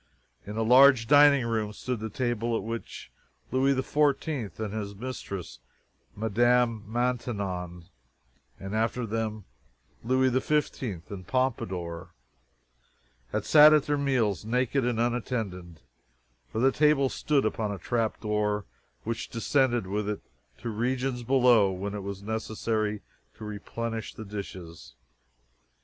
In a large dining room stood the table at which Louis XIV and his mistress Madame Maintenon, and after them Louis XV, and Pompadour, had sat at their meals naked and unattended for the table stood upon a trapdoor, which descended with it to regions below when it was necessary to replenish its dishes.